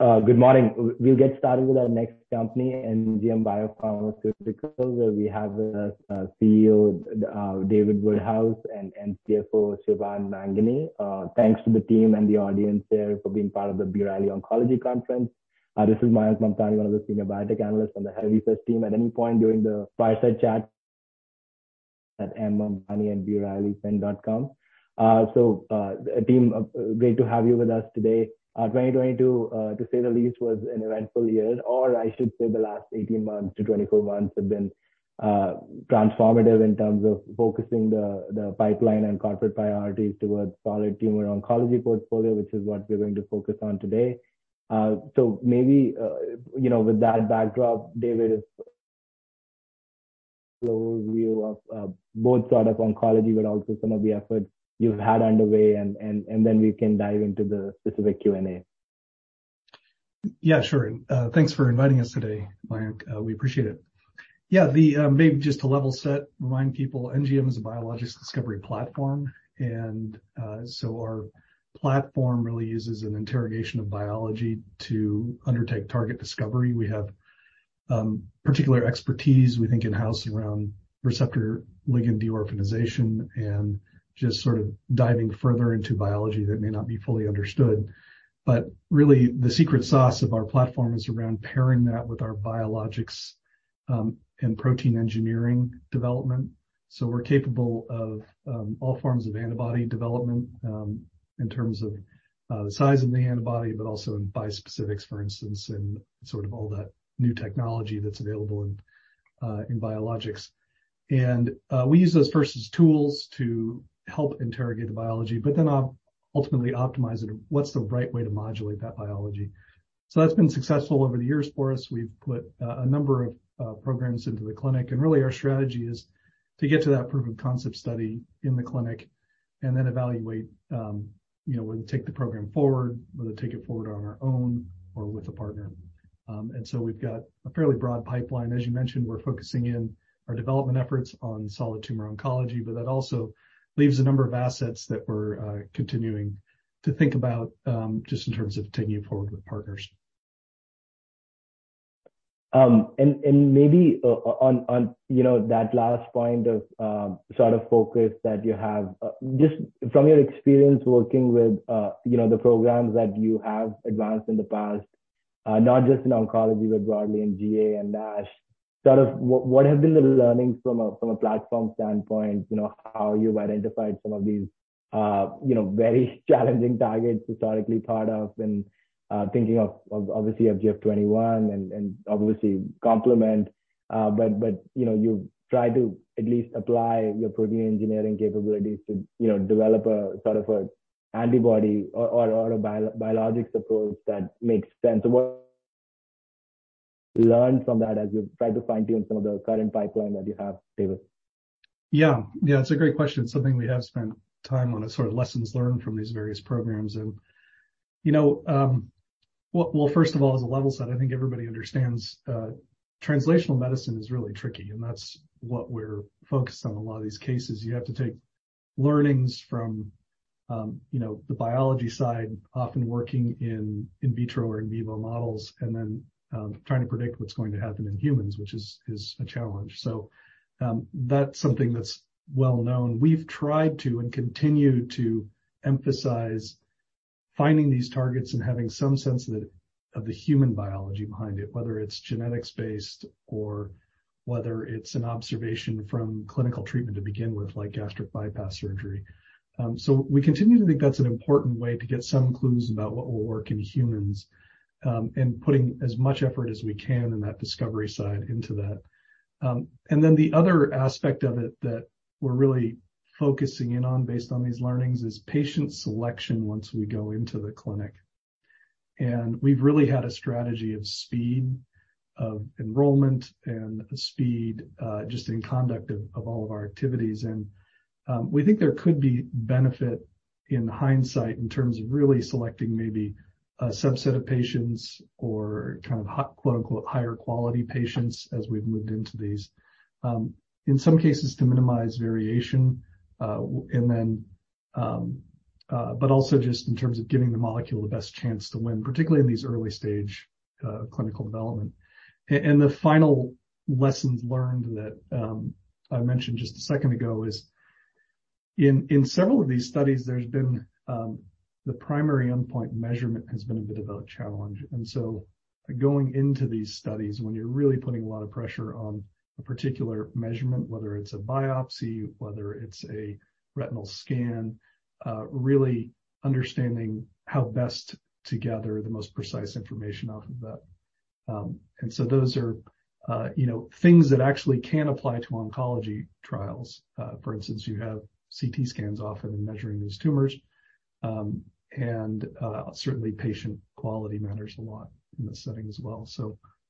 Good morning. We'll get started with our next company, NGM Biopharmaceuticals, where we have the CEO, David Woodhouse and CFO, Siobhan Mangini. Thanks to the team and the audience there for being part of the B. Riley Oncology Conference. This is Mayank Mamtani, one of the senior biotech analysts on the Health First team. At any point during the fireside chat, at mmamtani@brileyfin.com. Team, great to have you with us today. 2022, to say the least, was an eventful year, or I should say the last 18 months to 24 months have been transformative in terms of focusing the pipeline and corporate priorities towards solid tumor oncology portfolio, which is what we're going to focus on today. Maybe, you know, with that backdrop, David, overview of, both product oncology, but also some of the efforts you've had underway, and then we can dive into the specific Q&A. Yeah, sure. Thanks for inviting us today, Mayank. We appreciate it. Yeah. The maybe just to level set, remind people, NGM is a biologics discovery platform. Our platform really uses an interrogation of biology to undertake target discovery. We have particular expertise, we think, in-house around receptor-ligand deorphanization and just sort of diving further into biology that may not be fully understood. Really, the secret sauce of our platform is around pairing that with our biologics and protein engineering development. We're capable of all forms of antibody development, in terms of the size of the antibody, but also in bispecifics, for instance, and sort of all that new technology that's available in biologics. We use those first as tools to help interrogate the biology, but then ultimately optimize it. What's the right way to modulate that biology? That's been successful over the years for us. We've put a number of programs into the clinic, really our strategy is to get to that proof of concept study in the clinic and then evaluate, you know, whether to take the program forward, whether to take it forward on our own or with a partner. We've got a fairly broad pipeline. As you mentioned, we're focusing in our development efforts on solid tumor oncology, that also leaves a number of assets that we're continuing to think about just in terms of taking it forward with partners. Maybe on, you know, that last point of sort of focus that you have, just from your experience working with, you know, the programs that you have advanced in the past, not just in oncology, but broadly in GA and NASH, what have been the learnings from a platform standpoint, you know, how you've identified some of these, you know, very challenging targets historically part of and thinking of obviously FGF21 and obviously complement. You know, you try to at least apply your protein engineering capabilities to, you know, develop a sort of a antibody or a biologics approach that makes sense. What learned from that as you try to fine-tune some of the current pipeline that you have, David? Yeah. Yeah, it's a great question. It's something we have spent time on, the sort of lessons learned from these various programs. You know, well, first of all, as a level set, I think everybody understands, translational medicine is really tricky, and that's what we're focused on a lot of these cases. You have to take learnings from, you know, the biology side, often working in in vitro or in vivo models, and then, trying to predict what's going to happen in humans, which is a challenge. That's something that's well known. We've tried to and continue to emphasize finding these targets and having some sense of the human biology behind it, whether it's genetics based or whether it's an observation from clinical treatment to begin with, like gastric bypass surgery. We continue to think that's an important way to get some clues about what will work in humans, and putting as much effort as we can in that discovery side into that. The other aspect of it that we're really focusing in on based on these learnings is patient selection once we go into the clinic. We've really had a strategy of speed of enrollment and speed just in conduct of all of our activities. We think there could be benefit in hindsight in terms of really selecting maybe a subset of patients or kind of quote-unquote "higher quality patients" as we've moved into these in some cases to minimize variation, but also just in terms of giving the molecule the best chance to win, particularly in these early stage clinical development. The final lessons learned that I mentioned just a second ago is in several of these studies, there's been the primary endpoint measurement has been a bit of a challenge. Going into these studies when you're really putting a lot of pressure on a particular measurement, whether it's a biopsy, whether it's a retinal scan, really understanding how best to gather the most precise information off of that. Those are, you know, things that actually can apply to oncology trials. For instance, you have CT scans often in measuring these tumors. Certainly patient quality matters a lot in this setting as well.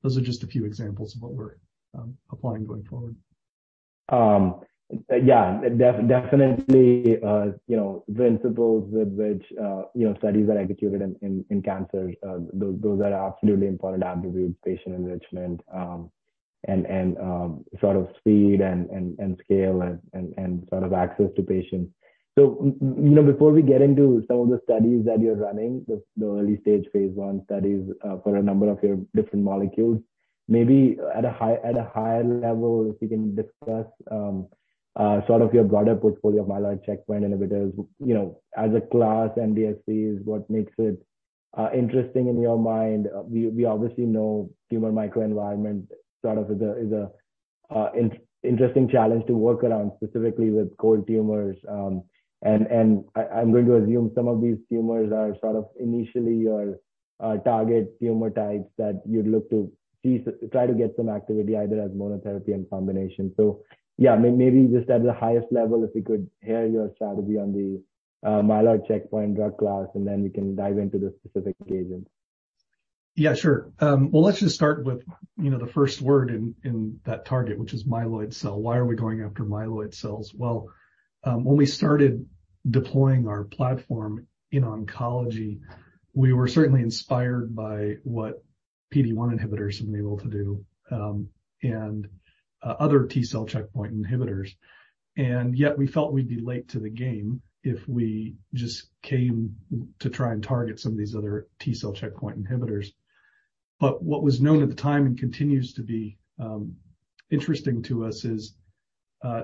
Those are just a few examples of what we're applying going forward. Yeah, definitely, you know, principles with which, you know, studies are executed in cancer, those are absolutely important attributes, patient enrichment, and sort of speed and scale and access to patients. You know, before we get into some of the studies that you're running, the early stage phase I studies, for a number of your different molecules, maybe at a higher level, if you can discuss, sort of your broader portfolio of myeloid checkpoint inhibitors, you know, as a class MDSCs, what makes it interesting in your mind? We obviously know tumor microenvironment sort of is a interesting challenge to work around, specifically with cold tumors. I'm going to assume some of these tumors are sort of initially your target tumor types that you'd look to try to get some activity either as monotherapy and combination. Maybe just at the highest level, if you could hear your strategy on the myeloid checkpoint drug class, and then we can dive into the specific agents. Yeah, sure. Well, let's just start with, you know, the first word in that target, which is myeloid cell. Why are we going after myeloid cells? Well, when we started deploying our platform in oncology, we were certainly inspired by what PD-1 inhibitors have been able to do, and other T-cell checkpoint inhibitors. Yet we felt we'd be late to the game if we just came to try and target some of these other T-cell checkpoint inhibitors. What was known at the time, and continues to be, interesting to us is,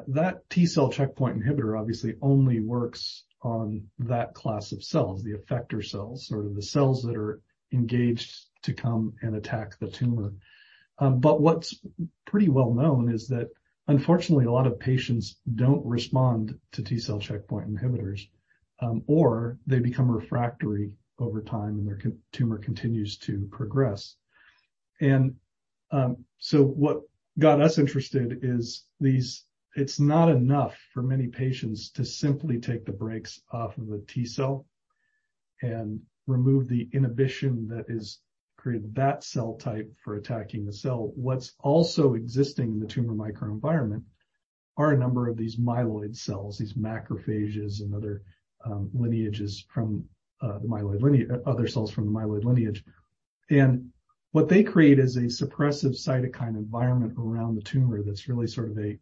that T-cell checkpoint inhibitor obviously only works on that class of cells, the effector cells, or the cells that are engaged to come and attack the tumor. What's pretty well known is that unfortunately, a lot of patients don't respond to T-cell checkpoint inhibitors, or they become refractory over time, and their tumor continues to progress. What got us interested is it's not enough for many patients to simply take the brakes off of the T-cell and remove the inhibition that is created that cell type for attacking the cell. What's also existing in the tumor microenvironment are a number of these myeloid cells, these macrophages and other lineages from the myeloid lineage. What they create is a suppressive cytokine environment around the tumor that's really sort of a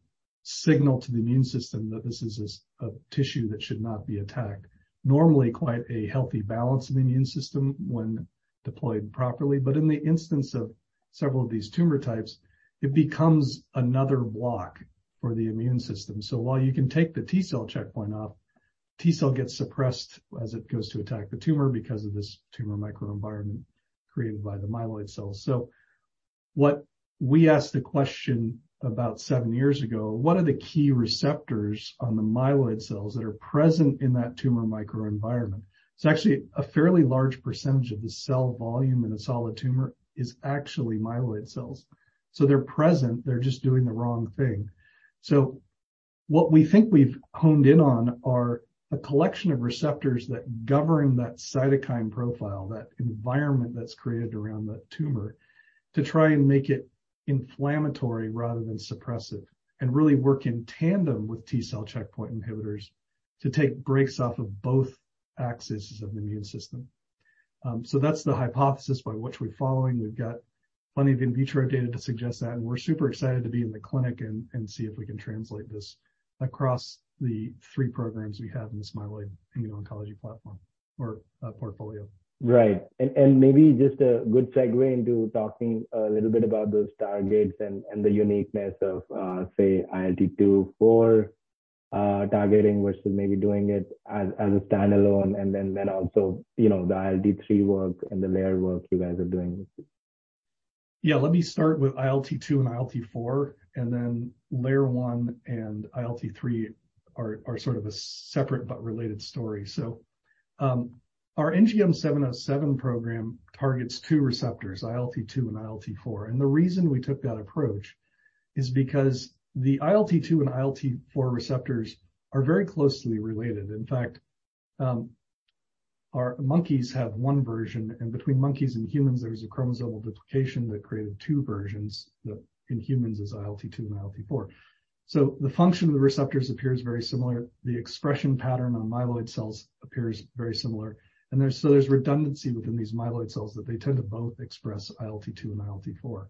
signal to the immune system that this is a tissue that should not be attacked. Normally, quite a healthy balance of immune system when deployed properly. In the instance of several of these tumor types, it becomes another block for the immune system. While you can take the T-cell checkpoint off, T-cell gets suppressed as it goes to attack the tumor because of this tumor microenvironment created by the myeloid cells. What we asked the question about seven years ago, what are the key receptors on the myeloid cells that are present in that tumor microenvironment? It's actually a fairly large percentage of the cell volume in a solid tumor is actually myeloid cells. They're present, they're just doing the wrong thing. What we think we've honed in on are a collection of receptors that govern that cytokine profile, that environment that's created around that tumor, to try and make it inflammatory rather than suppressive, and really work in tandem with T-cell checkpoint inhibitors to take brakes off of both axes of the immune system. That's the hypothesis by which we're following. We've got plenty of in vitro data to suggest that, and we're super excited to be in the clinic and see if we can translate this across the three programs we have in this myeloid immuno-oncology platform or portfolio. Right. Maybe just a good segue into talking a little bit about those targets and the uniqueness of, say, ILT2, ILT4, targeting versus maybe doing it as a standalone and then also, you know, the ILT3 work and the LAIR work you guys are doing. Yeah. Let me start with ILT2 and ILT4. LAIR-1 and ILT3 are sort of a separate but related story. Our NGM707 program targets two receptors, ILT2 and ILT4. The reason we took that approach is because the ILT2 and ILT4 receptors are very closely related. In fact, our monkeys have one version, and between monkeys and humans, there's a chromosomal duplication that created two versions that in humans is ILT2 and ILT4. The function of the receptors appears very similar. The expression pattern on myeloid cells appears very similar. There's redundancy within these myeloid cells that they tend to both express ILT2 and ILT4.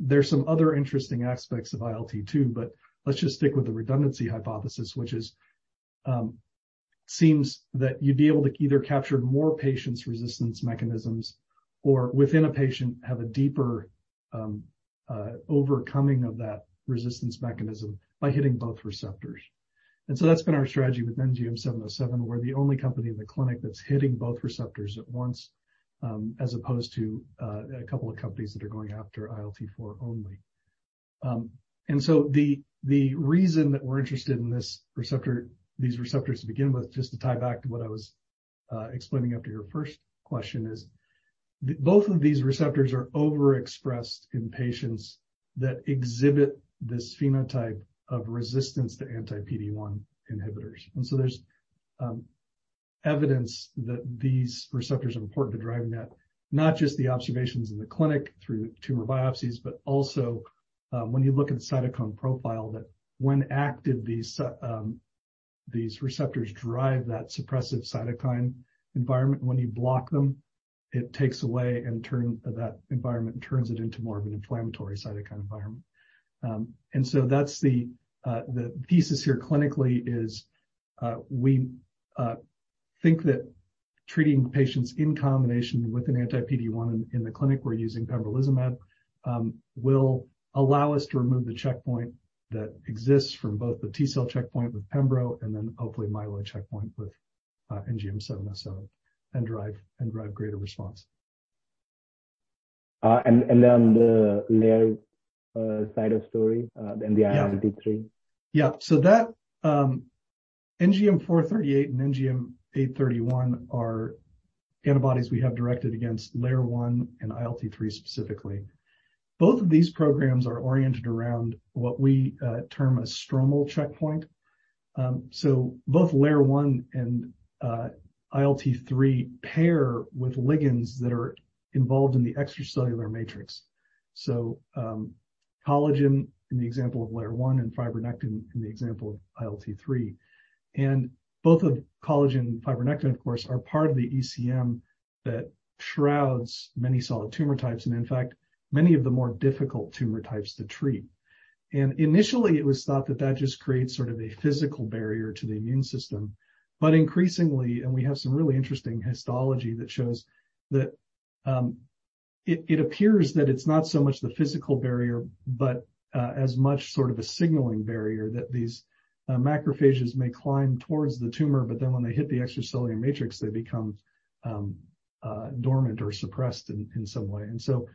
There's some other interesting aspects of ILT2, but let's just stick with the redundancy hypothesis, which is, seems that you'd be able to either capture more patients' resistance mechanisms, or within a patient, have a deeper overcoming of that resistance mechanism by hitting both receptors. That's been our strategy with NGM707. We're the only company in the clinic that's hitting both receptors at once, as opposed to a couple of companies that are going after ILT4 only. The reason that we're interested in these receptors to begin with, just to tie back to what I was explaining after your first question is, both of these receptors are overexpressed in patients that exhibit this phenotype of resistance to anti-PD-1 inhibitors. There's evidence that these receptors are important to driving that, not just the observations in the clinic through tumor biopsies, but also, when you look at the cytokine profile that when active, these receptors drive that suppressive cytokine environment. When you block them, it takes away and turn that environment and turns it into more of an inflammatory cytokine environment. That's the thesis here clinically is, we think that treating patients in combination with an anti-PD-1 in the clinic, we're using pembrolizumab, will allow us to remove the checkpoint that exists from both the T-cell checkpoint with pembrolizumab and then hopefully myeloid checkpoint with NGM707 and drive greater response. On the LAIR side of story, the ILT3. That NGM438 and NGM831 are antibodies we have directed against LAIR-1 and ILT3 specifically. Both of these programs are oriented around what we term a stromal checkpoint. Both LAIR-1 and ILT3 pair with ligands that are involved in the extracellular matrix. Collagen in the example of LAIR-1 and fibronectin in the example of ILT3. Both the collagen and fibronectin, of course, are part of the ECM that shrouds many solid tumor types, and in fact, many of the more difficult tumor types to treat. Initially, it was thought that that just creates sort of a physical barrier to the immune system. Increasingly, and we have some really interesting histology that shows that, it appears that it's not so much the physical barrier, but as much sort of a signaling barrier that these macrophages may climb towards the tumor, but then when they hit the extracellular matrix, they become dormant or suppressed in some way. So,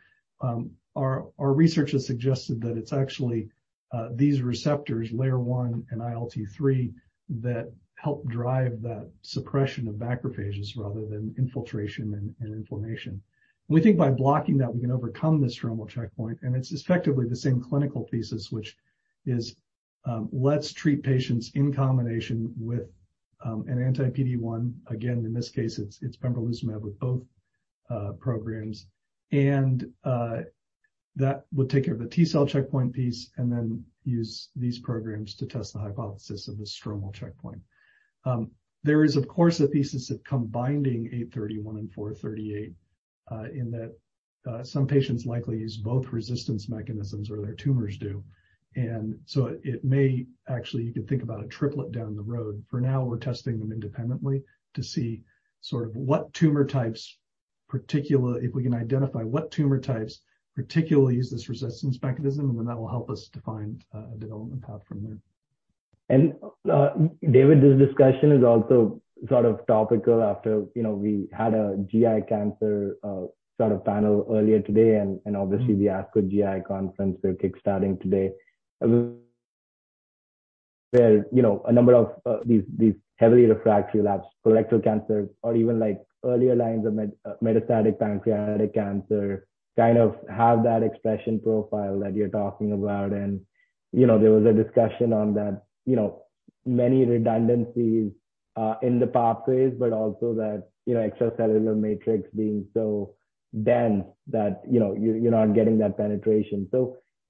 our research has suggested that it's actually these receptors, LAIR-1 and ILT3, that help drive that suppression of macrophages rather than infiltration and inflammation. We think by blocking that, we can overcome this stromal checkpoint, and it's effectively the same clinical thesis, which is, let's treat patients in combination with an anti-PD-1. Again, in this case, it's pembrolizumab with both programs. That will take care of the T-cell checkpoint piece and then use these programs to test the hypothesis of the stromal checkpoint. There is of course a thesis of combining 831 and 438 in that some patients likely use both resistance mechanisms or their tumors do. It may actually, you could think about a triplet down the road. For now, we're testing them independently to see sort of what tumor types if we can identify what tumor types particularly use this resistance mechanism, and then that will help us define a development path from there. David, this discussion is also sort of topical after, you know, we had a GI cancer sort of panel earlier today and obviously the ASCO GI conference we're kick-starting today. Where, you know, a number of these heavily refractory lapsed colorectal cancers or even like earlier lines of metastatic pancreatic cancer kind of have that expression profile that you're talking about. You know, there was a discussion on that, you know, many redundancies in the pathways, but also that, you know, extracellular matrix being so dense that, you know, you're not getting that penetration.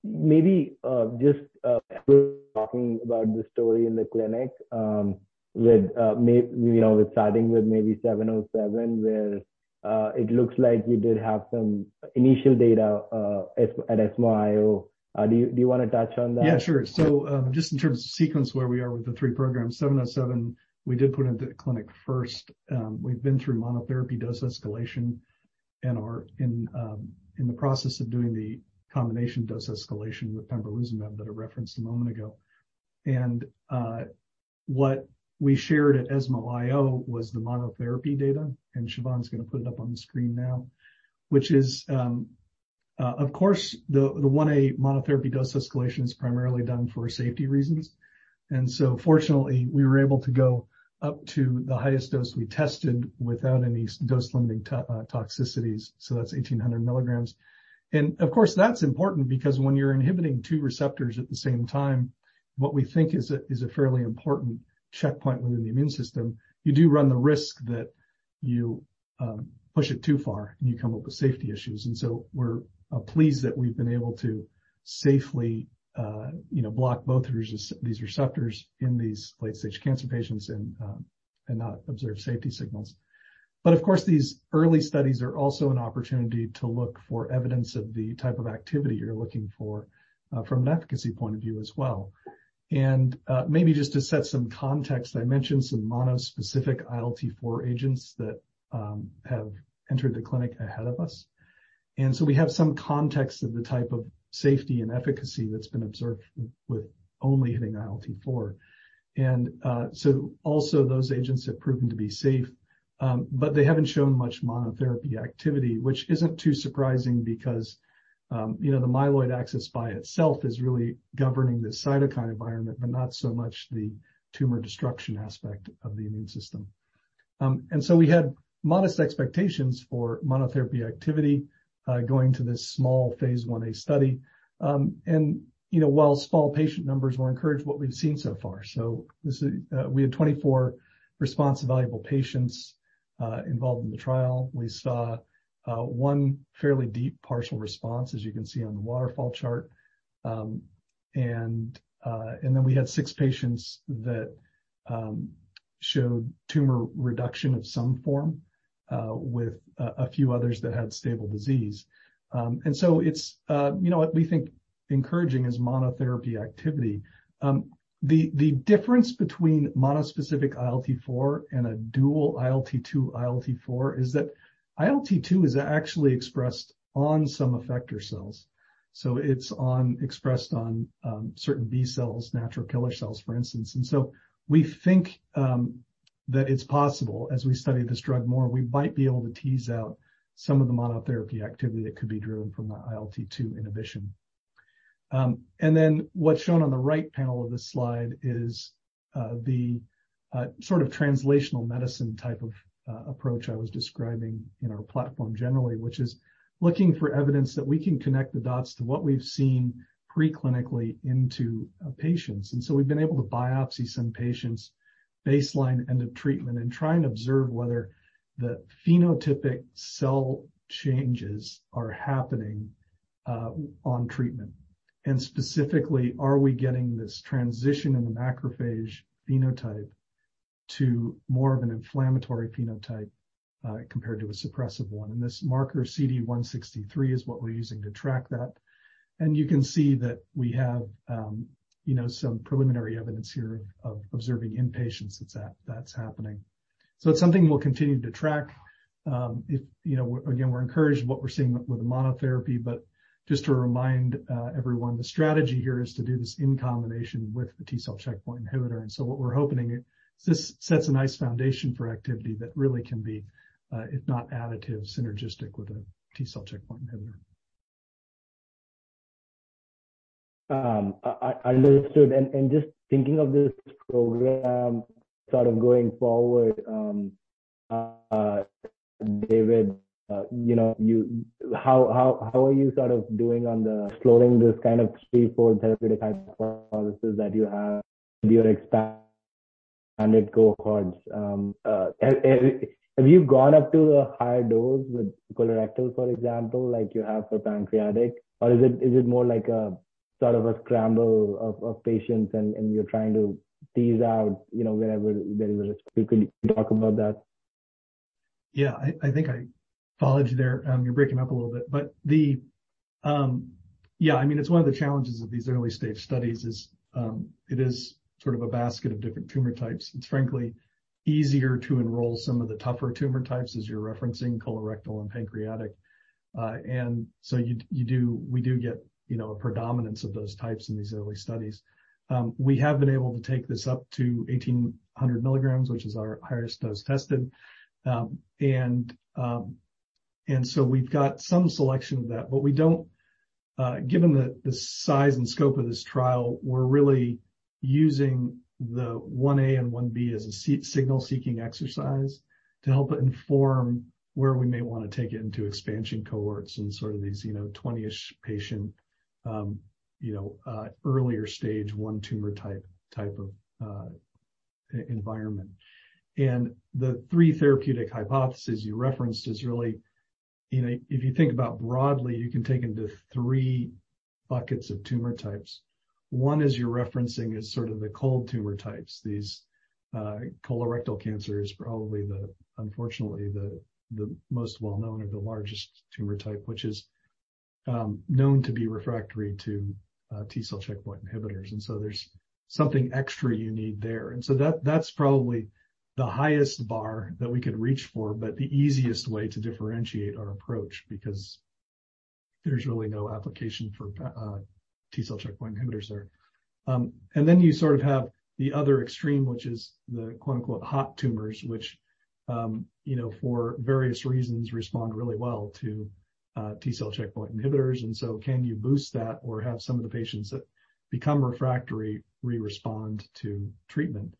Maybe just talking about the story in the clinic, you know, with starting with maybe seven oh seven where it looks like we did have some initial data at ESMO IO. Do you wanna touch on that? Sure. Just in terms of sequence where we are with the three programs. NGM707, we did put into the clinic first. We've been through monotherapy dose escalation and are in the process of doing the combination dose escalation with pembrolizumab that I referenced a moment ago. What we shared at ESMO IO was the monotherapy data, and Siobhan's gonna put it up on the screen now. Which is, of course, the 1A monotherapy dose escalation is primarily done for safety reasons. Fortunately, we were able to go up to the highest dose we tested without any dose-limiting toxicities. That's 1,800 milligrams. Of course, that's important because when you're inhibiting two receptors at the same time, what we think is a, is a fairly important checkpoint within the immune system, you do run the risk that you push it too far, and you come up with safety issues. We're pleased that we've been able to safely, you know, block both these receptors in these late-stage cancer patients and not observe safety signals. Of course, these early studies are also an opportunity to look for evidence of the type of activity you're looking for from an efficacy point of view as well. Maybe just to set some context, I mentioned some mono-specific ILT4 agents that have entered the clinic ahead of us. We have some context of the type of safety and efficacy that's been observed with only hitting ILT4. Also those agents have proven to be safe, but they haven't shown much monotherapy activity, which isn't too surprising because, you know, the myeloid axis by itself is really governing the cytokine environment, but not so much the tumor destruction aspect of the immune system. We had modest expectations for monotherapy activity going to this small phase Ia study. You know, while small patient numbers, we're encouraged what we've seen so far. We had 24 response evaluable patients involved in the trial. We saw one fairly deep partial response, as you can see on the waterfall chart. We had six patients that showed tumor reduction of some form, with a few others that had stable disease. It's, you know, we think encouraging as monotherapy activity. The difference between monospecific ILT4 and a dual ILT2/ILT4 is that ILT2 is actually expressed on some effector cells. It's expressed on certain B cells, natural killer cells, for instance. We think that it's possible, as we study this drug more, we might be able to tease out some of the monotherapy activity that could be driven from the ILT2 inhibition. What's shown on the right panel of this slide is the sort of translational medicine type of approach I was describing in our platform generally, which is looking for evidence that we can connect the dots to what we've seen preclinically into patients. We've been able to biopsy some patients baseline end of treatment and try and observe whether the phenotypic cell changes are happening on treatment. Specifically, are we getting this transition in the macrophage phenotype to more of an inflammatory phenotype compared to a suppressive one? This marker CD163 is what we're using to track that. You can see that we have, you know, some preliminary evidence here of observing in patients that that's happening. It's something we'll continue to track. If, you know, again, we're encouraged what we're seeing with the monotherapy, just to remind everyone, the strategy here is to do this in combination with the T-cell checkpoint inhibitor. What we're hoping, this sets a nice foundation for activity that really can be, if not additive, synergistic with a T-cell checkpoint inhibitor. understood. Just thinking of this program sort of going forward, David, you know, you how are you sort of doing on the exploring this kind of three-fold therapeutic hypothesis that you have your expand and it go forwards? Have you gone up to a higher dose with colorectal, for example, like you have for pancreatic? Or is it more like a sort of a scramble of patients, and you're trying to tease out, you know, wherever there is a risk? If you could talk about that. Yeah. I think I followed you there. You're breaking up a little bit. Yeah, I mean, it's one of the challenges of these early-stage studies is it is sort of a basket of different tumor types. It's frankly easier to enroll some of the tougher tumor types, as you're referencing, colorectal and pancreatic. We do get, you know, a predominance of those types in these early studies. We have been able to take this up to 1,800 milligrams, which is our highest dose tested. We've got some selection of that. We don't, given the size and scope of this trial, we're really using the 1A and 1B as a signal-seeking exercise to help inform where we may wanna take it into expansion cohorts and sort of these, you know, 20-ish patient, you know, earlier phase I tumor type of e-environment. The three therapeutic hypothesis you referenced is really, you know, if you think about broadly, you can take into three buckets of tumor types. One is you're referencing is sort of the cold tumor types. These, colorectal cancer is probably the, unfortunately, the most well-known or the largest tumor type, which is known to be refractory to T-cell checkpoint inhibitors. There's something extra you need there. That, that's probably the highest bar that we could reach for, but the easiest way to differentiate our approach because there's really no application for T-cell checkpoint inhibitors there. Then you sort of have the other extreme, which is the quote, unquote, "hot tumors," which, you know, for various reasons respond really well to T-cell checkpoint inhibitors. Can you boost that or have some of the patients that become refractory respond to treatment?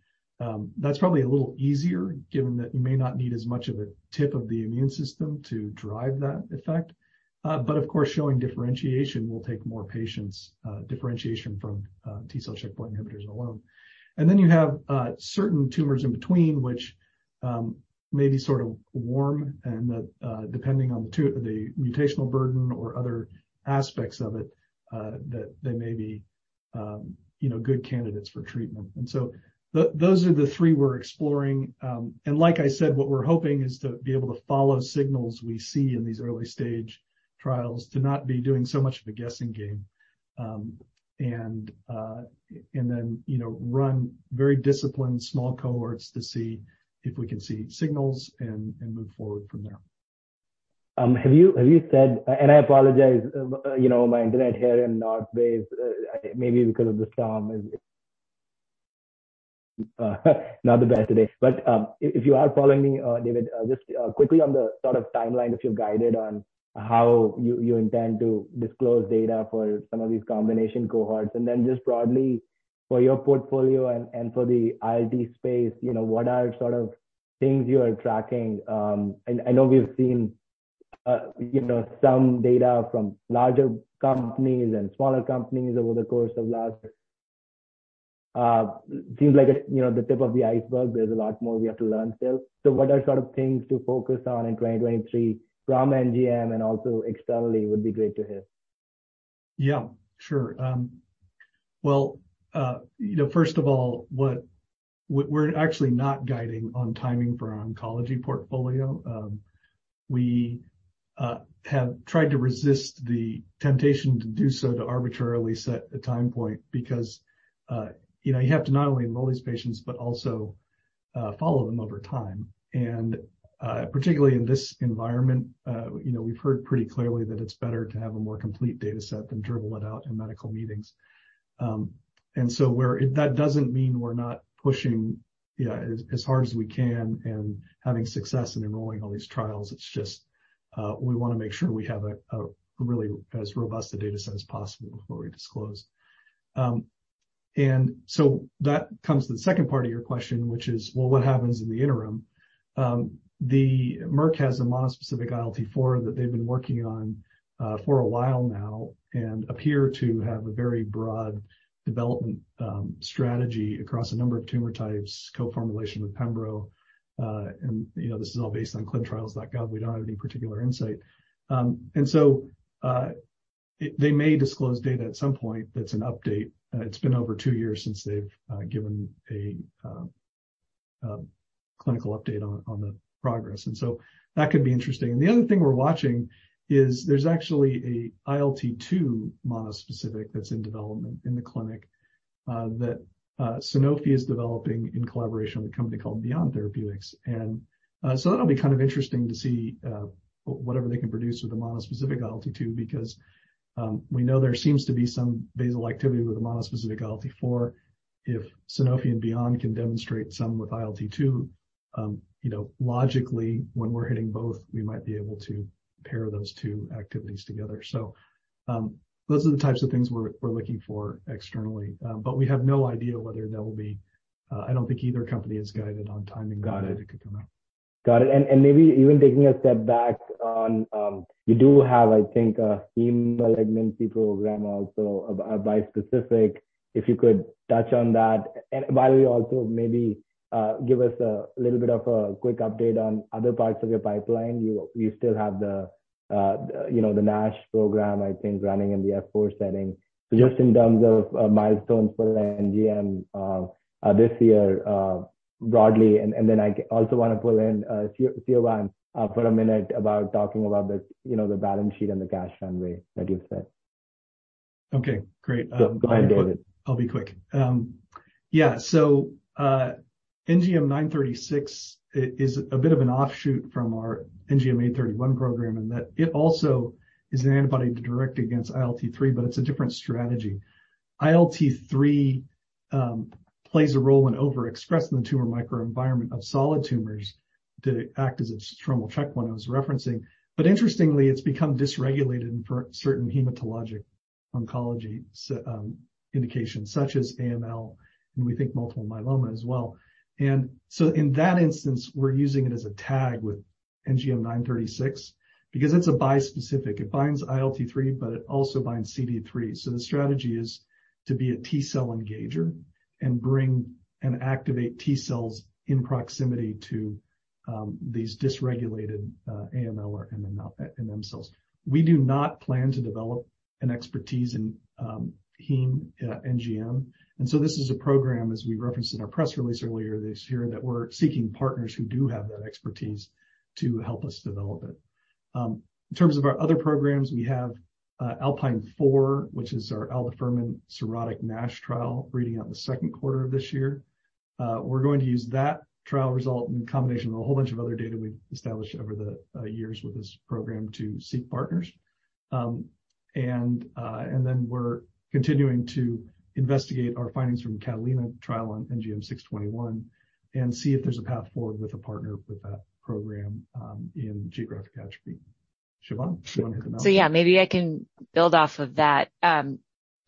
That's probably a little easier given that you may not need as much of a tip of the immune system to drive that effect. Of course, showing differentiation will take more patience, differentiation from T-cell checkpoint inhibitors alone. Then you have certain tumors in between which may be sort of warm and that, depending on the mutational burden or other aspects of it, that they may be, you know, good candidates for treatment. So those are the three we're exploring. Like I said, what we're hoping is to be able to follow signals we see in these early stage trials to not be doing so much of a guessing game. Then, you know, run very disciplined small cohorts to see if we can see signals and move forward from there. I apologize, you know, my internet here in North Bay is, maybe because of the storm is, not the best today. If you are following me, David, just quickly on the sort of timeline, if you're guided on how you intend to disclose data for some of these combination cohorts, then just broadly for your portfolio and for the ILT space, you know, what are sort of things you are tracking? I know we've seen, you know, some data from larger companies and smaller companies over the course of last. Seems like a, you know, the tip of the iceberg. There's a lot more we have to learn still. What are sort of things to focus on in 2023 from NGM and also externally would be great to hear? Yeah, sure. You know, first of all, we're actually not guiding on timing for our oncology portfolio. We have tried to resist the temptation to do so to arbitrarily set a time point because, you know, you have to not only enroll these patients but also follow them over time. Particularly in this environment, you know, we've heard pretty clearly that it's better to have a more complete data set than dribble it out in medical meetings. That doesn't mean we're not pushing, yeah, as hard as we can and having success in enrolling all these trials. It's just, we wanna make sure we have a really as robust a data set as possible before we disclose. That comes to the second part of your question, which is, well, what happens in the interim? Merck has a mono-specific ILT4 that they've been working on for a while now and appear to have a very broad development strategy across a number of tumor types, co-formulation with pembro. You know, this is all based on ClinicalTrials.gov. We don't have any particular insight. They may disclose data at some point that's an update. It's been over two years since they've given a clinical update on the progress, and so that could be interesting. The other thing we're watching is there's actually a ILT2 mono-specific that's in development in the clinic that Sanofi is developing in collaboration with a company called Beyond Therapeutics. So that'll be kind of interesting to see whatever they can produce with a mono-specific ILT2 because we know there seems to be some basal activity with a mono-specific ILT4. If Sanofi and Beyond can demonstrate some with ILT2, you know, logically, when we're hitting both, we might be able to pair those two activities together. Those are the types of things we're looking for externally. We have no idea whether there will be... I don't think either company has guided on timing. Got it. that it could come out. Got it. Maybe even taking a step back on, you do have, I think, a heme malignancy program also, a bispecific, if you could touch on that. By the way, also maybe give us a little bit of a quick update on other parts of your pipeline. You still have the, you know, the NASH program I think running in the F4 setting. Just in terms of milestones for NGM this year broadly, then I also wanna pull in Siobhan for a minute about talking about the, you know, the balance sheet and the cash runway that you said. Okay, great. Go ahead, David. I'll be quick. Yeah. NGM936 is a bit of an offshoot from our NGM831 program, and that it also is an antibody direct against ILT3, but it's a different strategy. ILT3 plays a role in overexpress in the tumor microenvironment of solid tumors to act as a stromal checkpoint I was referencing. Interestingly, it's become dysregulated in certain hematologic oncology indications such as AML, and we think multiple myeloma as well. In that instance, we're using it as a tag with NGM936 because it's a bispecific. It binds ILT3, but it also binds CD3. The strategy is to be a T-cell engager and bring and activate T-cells in proximity to these dysregulated AML or MM cells. We do not plan to develop an expertise in heme, NGM. This is a program, as we referenced in our press release earlier this year, that we're seeking partners who do have that expertise to help us develop it. In terms of our other programs, we have ALPINE 4, which is our aldafermin cirrhotic NASH trial reading out in the second quarter of this year. We're going to use that trial result in combination with a whole bunch of other data we've established over the years with this program to seek partners. We're continuing to investigate our findings from CATALINA trial on NGM621 and see if there's a path forward with a partner with that program in geographic atrophy. Siobhan, do you wanna hit the nail? Yeah, maybe I can build off of that,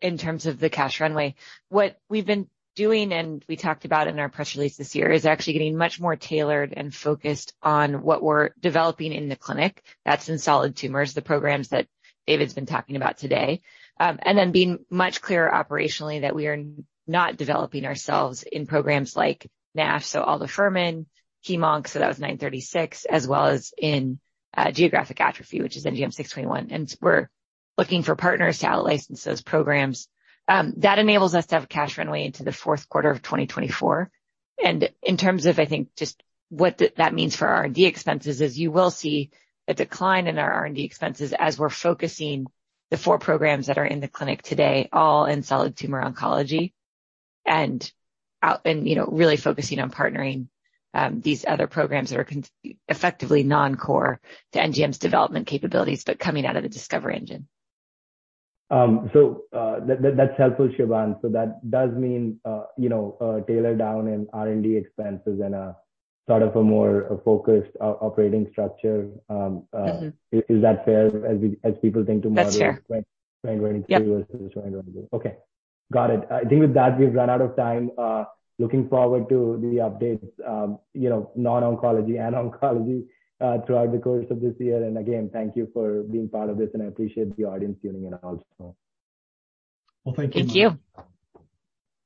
in terms of the cash runway. What we've been doing, and we talked about in our press release this year, is actually getting much more tailored and focused on what we're developing in the clinic. That's in solid tumors, the programs that David's been talking about today. Being much clearer operationally that we are not developing ourselves in programs like NASH, Aldafermin, Hem-Onc, so that was NGM936, as well as in geographic atrophy, which is NGM621. We're looking for partners to outlicense those programs. That enables us to have cash runway into the fourth quarter of 2024. In terms of, I think, just what that means for our R&D expenses is you will see a decline in our R&D expenses as we're focusing the four programs that are in the clinic today, all in solid tumor oncology, and, you know, really focusing on partnering these other programs that are effectively non-core to NGM's development capabilities, but coming out of the discovery engine. That's helpful, Siobhan. That does mean, you know, a tailor down in R&D expenses and a sort of a more focused operating structure. Mm-hmm. Is that fair as people think to model? That's fair. 2023 versus 2024. Okay. Got it. I think with that, we've run out of time. Looking forward to the updates, you know, non-oncology and oncology, throughout the course of this year. Again, thank you for being part of this, and I appreciate the audience tuning in also. Well, thank you. Thank you.